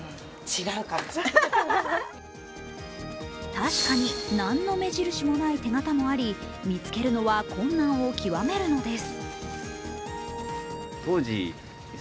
確かに何の目印もない手形もあり、見つけるのは困難を極めるのです。